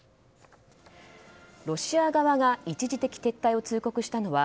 ロシア側が一時的撤退を通告したのは